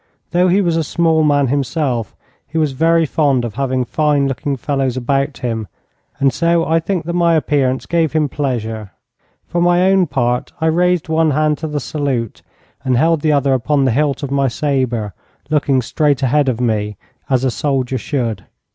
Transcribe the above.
Though he was a small man himself, he was very fond of having fine looking fellows about him, and so I think that my appearance gave him pleasure. For my own part, I raised one hand to the salute and held the other upon the hilt of my sabre, looking straight ahead of me, as a soldier should.